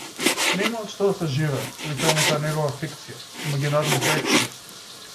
Нема од што да се живее, или тоа е некоја негова фикција, имагинарна проекција.